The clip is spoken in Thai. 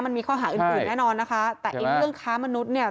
มันมีข้อหาอื่นอื่นแน่นอนนะคะแต่ไอ้เรื่องค้ามนุษย์เนี่ย